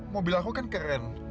mobil aku kan keren